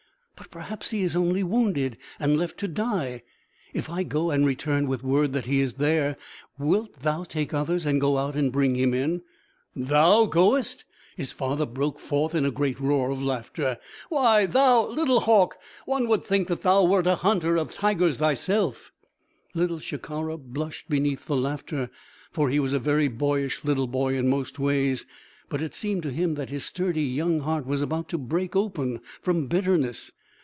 "But perhaps he is only wounded and left to die. If I go and return with word that he is there, wilt thou take others and go out and bring him in?" "Thou goest!" His father broke forth in a great roar of laughter. "Why, thou little hawk! One would think that thou wert a hunter of tigers thyself!" Little Shikara blushed beneath the laughter. For he was a very boyish little boy in most ways. But it seemed to him that his sturdy young heart was about to break open from bitterness.